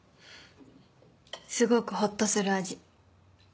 すごくほっとする味。